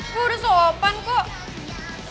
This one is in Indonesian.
gue udah sopan kok